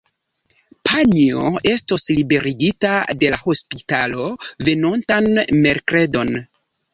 Panjo estos liberigita de la hospitalo venontan merkredon.